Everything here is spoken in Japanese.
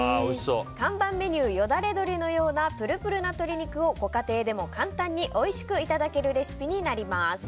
看板メニュー、よだれ鶏のようなプルプルな鶏肉をご家庭でも簡単においしくいただけるレシピになります。